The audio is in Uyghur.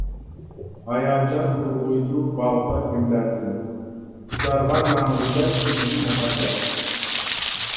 ھاياجان ئۇرغۇيدۇ باغدا گۈللەردىن، قىزارغان مەڭزىدە تۇنجى مۇھەببەت.